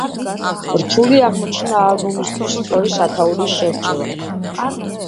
რთული აღმოჩნდა ალბომისთვის სწორი სათაურის შერჩევა.